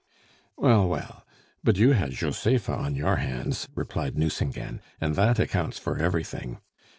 "Well, well; but you had Josepha on your hands!" replied Nucingen, "and that accounts for everything.